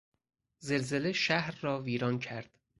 زلزله شهر را ویران کرد.